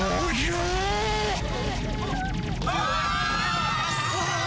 うわ！